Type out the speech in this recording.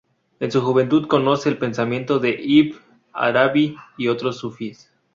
En su juventud conoce el pensamiento de Ibn Arabi y otros sufíes.